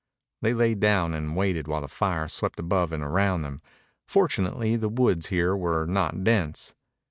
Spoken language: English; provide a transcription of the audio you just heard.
They lay down and waited while the fire swept above and around them. Fortunately the woods here were not dense.